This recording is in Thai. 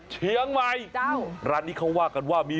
เหรียญหลวงปู่เข็ม